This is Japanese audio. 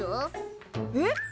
えっ！